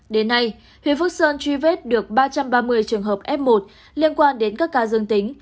đến nay huyện phước sơn truy vết được ba trăm ba mươi trường hợp f một liên quan đến các ca dương tính